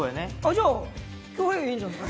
じゃあ恭平いいんじゃない？